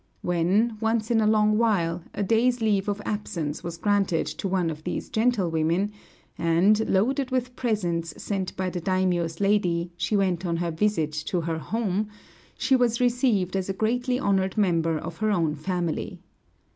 When, once in a long while, a day's leave of absence was granted to one of these gentlewomen, and, loaded with presents sent by the daimiō's lady, she went on her visit to her home, she was received as a greatly honored member of her own family.